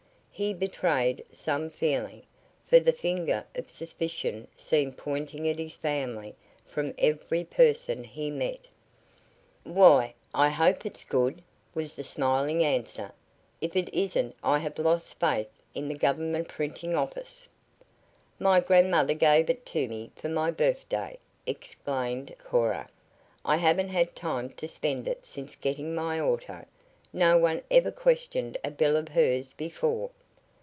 He betrayed some feeling, for the finger of suspicion seemed pointing at his family from every person he met. "Why I hope it's good," was the smiling answer. "If it isn't I have lost faith in the government printing office." "My grandmother gave it to me for my birthday," explained Cora. "I haven't had time to spend it since getting my auto. No one ever questioned a bill of hers before."